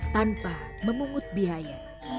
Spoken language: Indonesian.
tanpa memungut biaya